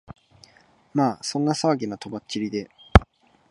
まあそんな騒ぎの飛ばっちりで、